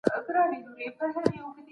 سرتیري باید پیاوړی زړه ولري.